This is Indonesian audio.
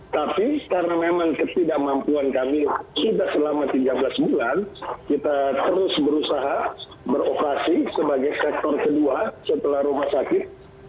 tapi karena memang ketidakmampuan kami sudah selama tiga belas bulan kita terus berusaha beroperasi sebagai sektor kedua setelah rumah sakit